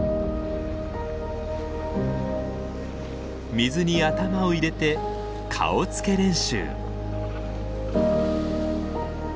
水に頭を入れて顔つけ練習。